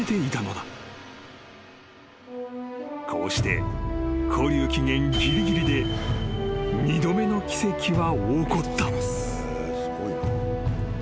［こうして勾留期限ぎりぎりで二度目の奇跡は起こった］